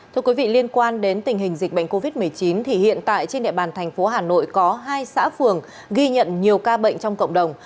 thưa quý vị liên quan đến tình hình dịch bệnh covid một mươi chín thì hiện tại trên địa bàn thành phố hà nội có hai xã phường ghi nhận nhiều ca bệnh trong cộng đồng